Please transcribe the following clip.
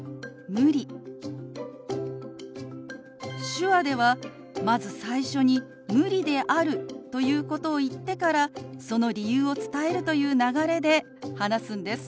手話ではまず最初に「無理である」ということを言ってからその理由を伝えるという流れで話すんです。